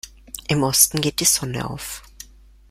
Im Osten geht die Sonne auf.